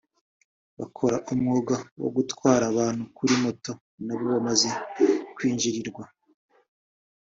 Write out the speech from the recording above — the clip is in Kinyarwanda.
abakora umwuga wo gutwara abantu kuri moto nabo bamaze kwinjirirwa